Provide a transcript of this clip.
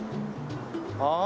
ああ！